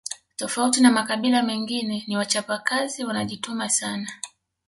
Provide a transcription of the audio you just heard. Tofauti na makabila mengine ni wachapakazi wanajituma sana